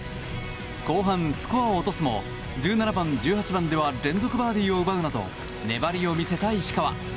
後半スコアを落とすも１７番、１８番では連続バーディーを奪うなど粘りを見せた、石川。